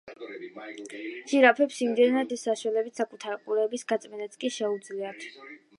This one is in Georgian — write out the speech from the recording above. ჟირაფებს იმდენად გრძელი ენა აქვთ, რომ მისი საშუალებით საკუთარი ყურების გაწმენდაც კი შეუძლიათ.